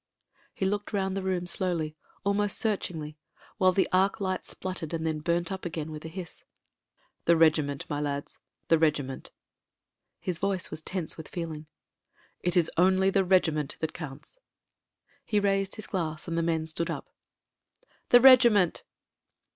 He looked round the room slowly, almost search ingly, while the arc light spluttered and then burnt up again with a hiss. "The Regiment, my lads — ^the Regiment." His voice was tense with feeling. "It is only the Regiment that counts." He raised his glass, and the men stood up : "The Regiment."